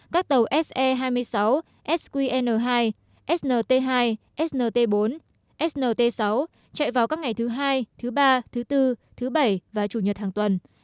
các tàu se hai mươi sáu sqn hai snt hai snt bốn snt sáu chạy vào các ngày thứ hai thứ ba thứ bốn thứ bảy và chủ nhật hàng tuần